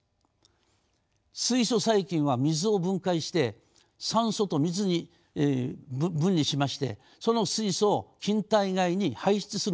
水素細菌は水を分解して酸素と水に分離しましてその水素を菌体外に排出するのです。